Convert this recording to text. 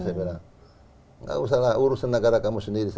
saya bilang tidak usah uruskan negara kamu sendiri